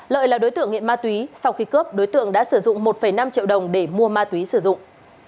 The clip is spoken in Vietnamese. lợi là đối tượng nghiện ma túy sau khi cướp đối tượng đã sử dụng một năm triệu đồng để mua ma túy sử dụng